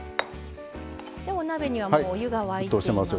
お鍋には湯が沸いています。